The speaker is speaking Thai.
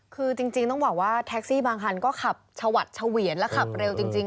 คือจริงต้องบอกว่าแท็กซี่บางคันก็ขับชวัดเฉวียนและขับเร็วจริง